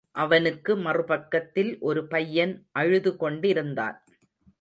அவனுக்கு மறுபக்கத்தில் ஒரு பையன் அழுதுகொண்டிருந்தான்.